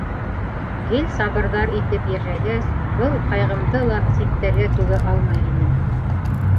Гел сабырҙар итеп йәшәгәс, был ҡайғымды ла ситтәргә түгә алмай инем.